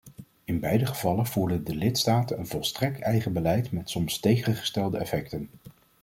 In beide gevallen voerden de lidstaten een volstrekt eigen beleid met soms tegengestelde effecten.